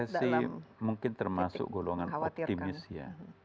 ya kalau saya sih mungkin termasuk golongan optimis ya